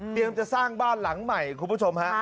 จะสร้างบ้านหลังใหม่คุณผู้ชมฮะ